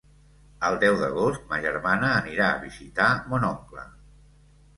El deu d'agost ma germana anirà a visitar mon oncle.